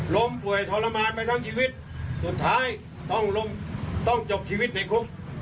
ล้มป่วยทรมานไปทั้งชีวิตสุดท้ายต้องลงต้องจบชีวิตในคุก